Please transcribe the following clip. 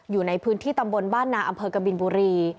อยู่ในพื้นที่ตำบลบ้านนาอำเภอกบินบุรี